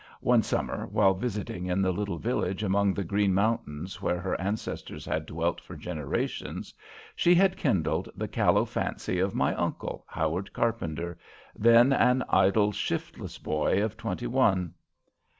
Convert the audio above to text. One summer, while visiting in the little village among the Green Mountains where her ancestors had dwelt for generations, she had kindled the callow fancy of my uncle, Howard Carpenter, then an idle, shiftless boy of twenty one.